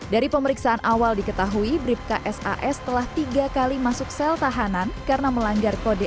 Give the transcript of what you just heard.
dari pemeriksaan awal diketahui bribka sas telah tiga kali masuk sel tahanan karena melanggar kode